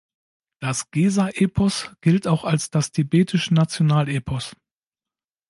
Das Gesar-Epos gilt auch als das tibetische Nationalepos.